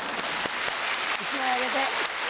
１枚あげて。